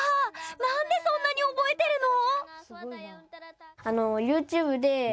なんで、そんなに覚えてるの！？